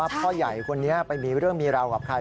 พ่อใหญ่คนนี้ไปมีเรื่องมีราวกับใคร